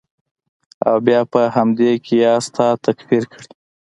او بیا پر همدې قیاس تا تکفیر کړي.